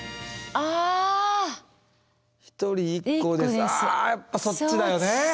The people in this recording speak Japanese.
あやっぱそっちだよね。